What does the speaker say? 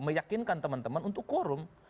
meyakinkan teman teman untuk quorum